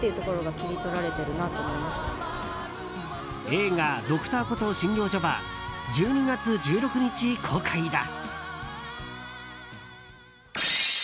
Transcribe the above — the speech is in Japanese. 映画「Ｄｒ．コトー診療所」は１２月１６日公開だ。